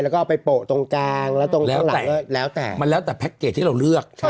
แล้วก็เอาไปโปะตรงกลางแล้วตรงแล้วแต่มันแล้วแต่แพ็คเกจที่เราเลือก